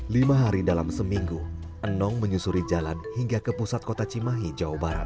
lima hari dalam seminggu enong menyusuri jalan hingga ke pusat kota cimahi jawa barat